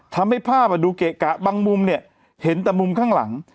ทำให้ภาพดูเกะกะบางมุมเนี่ยเห็นแต่มุมข้างหลัง